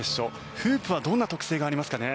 フープはどんな特性がありますかね？